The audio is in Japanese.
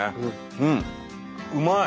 うんうまい。